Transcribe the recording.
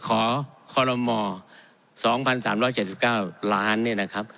ขอคอลโลมอร์๒๓๗๙ล้านนี่นะครับ